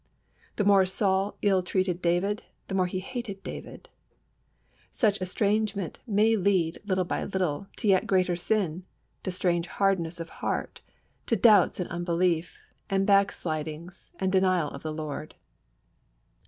The more Saul ill treated David, the more he hated David. Such estrangement may lead, little by little, to yet greater sin, to strange hardness of heart, to doubts and unbelief, and backslidings and denial of the Lord.